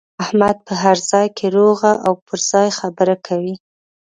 احمد په هر ځای کې روغه او پر ځای خبره کوي.